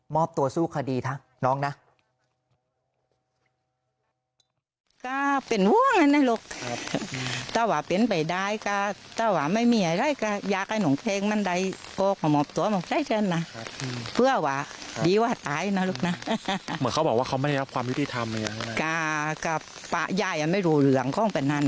อบตัวสู้คดีทะน้องนะ